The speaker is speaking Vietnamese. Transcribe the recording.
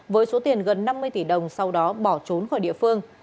với số tiền gần năm mươi tỷ đồng sau đó bỏ trốn khỏi địa phương